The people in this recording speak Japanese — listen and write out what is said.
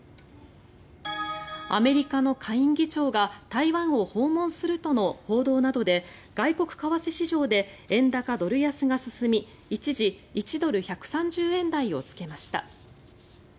アメリカの下院議長が台湾を訪問するとの報道などで外国為替市場で円高ドル安が進み一時、１ドル＝１３０円台をつけました。